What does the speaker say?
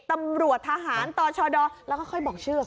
ตำรวจทหารต่อชดแล้วก็ค่อยบอกชื่อ